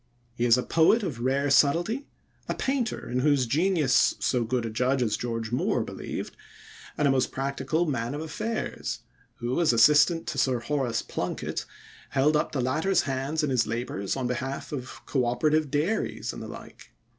He is a poet of rare subtlety, a painter in whose genius so good a judge as George Moore believed, and a most practical man of affairs, who, as assistant to Sir Horace Plunkett, held up the latter's hands in his labors on behalf of co operative dairies and the like.